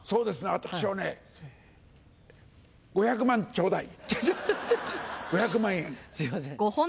私はね５００万ちょうだい。